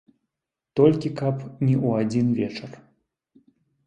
Толькі каб не ў адзін вечар.